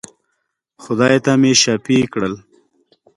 خدای ته مي شفېع کړل.